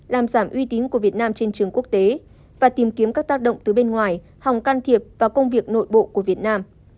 làm giảm uy tín của việt nam trên trường quốc tế và tìm kiếm các tác động từ bên ngoài hòng can thiệp vào công việc nội bộ của việt nam